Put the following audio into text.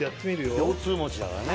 腰痛持ちだからね。